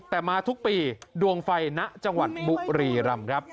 แต่มาทุกปีดวงไฟณจังหวัดบุรีรำครับ